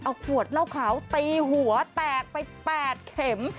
เอาขวดเล่าข้าวตีหัวแปลกไปแปดเข็ม